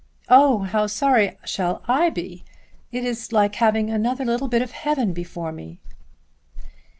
"Oh, how sorry shall I be! It is like having another little bit of heaven before me."